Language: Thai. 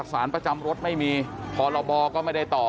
สารประจำรถไม่มีพรบก็ไม่ได้ต่อ